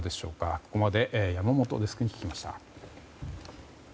ここまで山本デスクに聞きました。